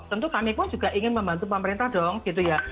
tentu kami pun juga ingin membantu pemerintah dong gitu ya